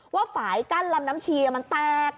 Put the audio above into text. ฝ่ายกั้นลำน้ำชีมันแตก